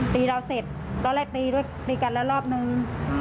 ตีเราเสร็จตอนแรกตีด้วยตีกันแล้วรอบหนึ่ง